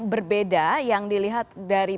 berbeda yang dilihat dari